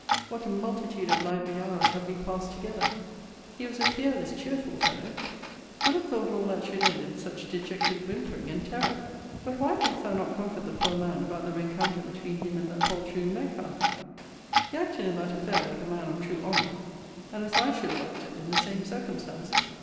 what a multitude of lively hours have we passed together! He was a fearless, cheerful fellow: who'd have thought all that should end in such dejected whimpering and terror? But why didst thou not comfort the poor man about the rencounter between him and that poltroon Metcalfe? He acted in that affair like a man of true honour, and as I should have acted in the same circumstances.